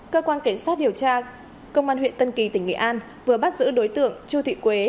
cơ quan cảnh sát điều tra công an huyện tân kỳ tỉnh nghệ an vừa bắt giữ đối tượng chu thị quế